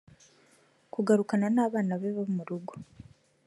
kagakurana n abana be bo mu rugo